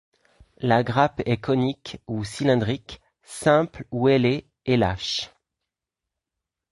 La grappe est conique ou cylindrique, simple ou ailée et lâche.